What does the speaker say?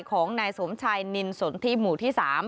ของนายสมชายนินสนทิหมู่ที่๓